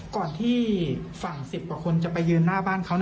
ก่อนที่ฝั่ง๑๐กว่าคนจะไปยืนหน้าบ้านเขา